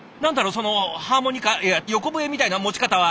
そのハーモニカいや横笛みたいな持ち方は。